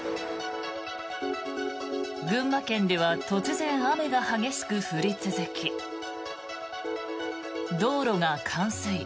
群馬県では突然、雨が激しく降り続き道路が冠水。